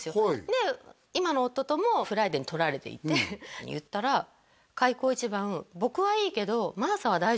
で今の夫とも「ＦＲＩＤＡＹ」に撮られていて言ったら開口一番「僕はいいけど」